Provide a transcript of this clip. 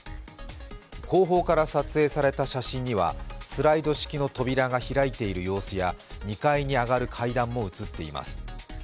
後方から撮影された写真には、スライド式の扉が開いている様子や２階に上がる階段も写っています。